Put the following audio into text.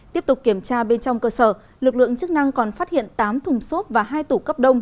tiếp tục kiểm tra bên trong cơ sở lực lượng chức năng còn phát hiện tám thùng xốp và hai tủ cấp đông